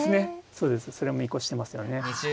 そうですそれを見越してますよね。